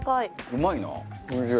うまいな。